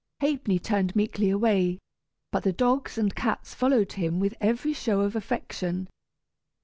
Ha'penny turned meekly away, but the dogs and cats followed him with every show of affection.